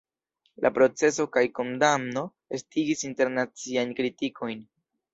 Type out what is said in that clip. La proceso kaj kondamno estigis internaciajn kritikojn.